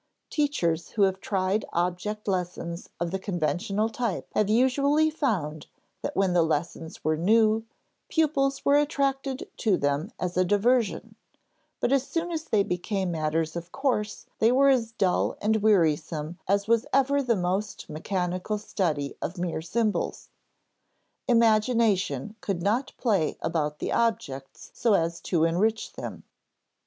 Teachers who have tried object lessons of the conventional type have usually found that when the lessons were new, pupils were attracted to them as a diversion, but as soon as they became matters of course they were as dull and wearisome as was ever the most mechanical study of mere symbols. Imagination could not play about the objects so as to enrich them.